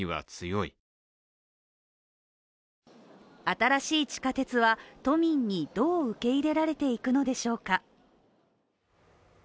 新しい地下鉄は、都民にどう受け入れられていくのでしょうか。